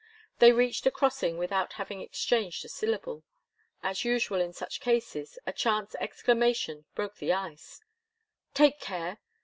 They reached a crossing without having exchanged a syllable. As usual in such cases, a chance exclamation broke the ice. "Take care!"